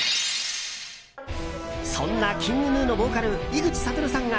そんなＫｉｎｇＧｎｕのボーカル、井口理さんが